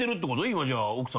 今じゃあ奥さんと。